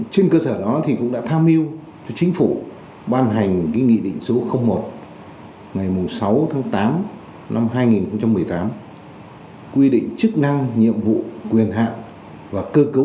trên cơ sở đó thì cũng đã tham mưu cho chính phủ ban hành nghị định số một ngày sáu tháng tám năm hai nghìn một mươi tám quy định chức năng nhiệm vụ